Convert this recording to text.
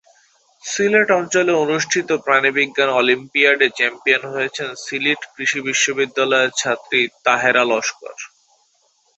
সিলেট অঞ্চলে অনুষ্ঠিত প্রাণিবিজ্ঞান অলিম্পিয়াডে চ্যাম্পিয়ন হয়েছেন সিলেট কৃষি বিশ্ববিদ্যালয়ের ছাত্রী তাহেরা লস্কর।